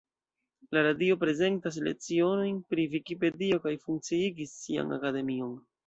La radio prezentas lecionojn pri Vikipedio kaj funkciigis sian Akademion.